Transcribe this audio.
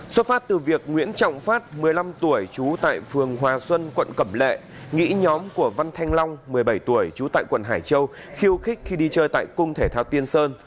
xuất phát từ việc nguyễn trọng phát một mươi năm tuổi trú tại phường hòa xuân quận cẩm lệ nghĩ nhóm của văn thanh long một mươi bảy tuổi trú tại quận hải châu khiêu khích khi đi chơi tại cung thể thao tiên sơn